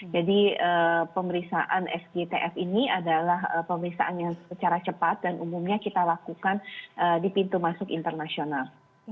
jadi pemeriksaan sgtf ini adalah pemeriksaan yang secara cepat dan umumnya kita lakukan di pintu masuk internasional